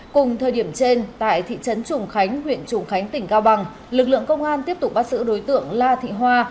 cùng thời điểm trên tại thị trấn trùng khánh huyện trùng khánh tỉnh cao bằng lực lượng công an tiếp tục bắt giữ đối tượng la thị hoa